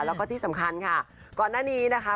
แล้วก็ที่สำคัญค่ะก่อนหน้านี้นะคะ